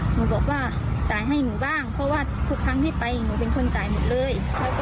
หนูบอกว่าจ่ายให้หนูบ้างเพราะว่าทุกครั้งที่ไปหนูเป็นคนจ่ายหมดเลย